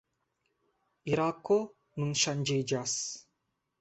Irako nun ŝanĝiĝas.